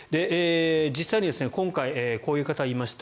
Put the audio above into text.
実際に今回、こういう方がいました。